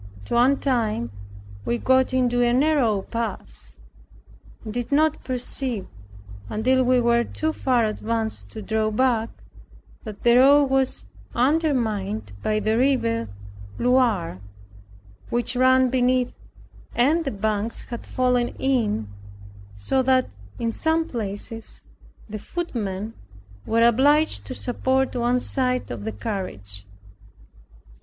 At one time we got into a narrow pass, and did not perceive, until we were too far advanced to draw back, that the road was undermined by the river Loire, which ran beneath, and the banks had fallen in; so that in some places the footmen were obliged to support one side of the carriage.